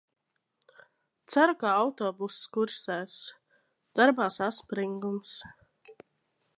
Ceru, ka autobuss kursēs... Darbā saspringums.